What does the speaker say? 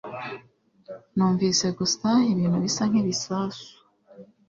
Numvise gusa ibintu bisa nkibisasu.